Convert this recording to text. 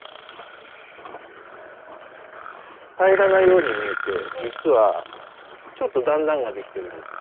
平らなように見えて実はちょっと段々ができてるんです。